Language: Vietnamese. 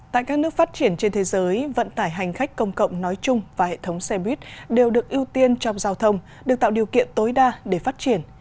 tại các nước phát triển trên thế giới vận tải hành khách công cộng nói chung và hệ thống xe buýt đều được ưu tiên trong giao thông được tạo điều kiện tối đa để phát triển